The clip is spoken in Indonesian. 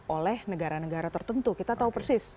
oleh negara negara tertentu kita tahu persis